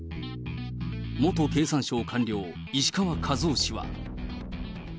元経産省官僚、石川和男氏は。